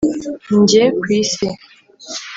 njye ku isi.